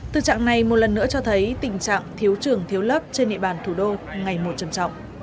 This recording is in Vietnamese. thực trạng này một lần nữa cho thấy tình trạng thiếu trường thiếu lớp trên địa bàn thủ đô ngày một trầm trọng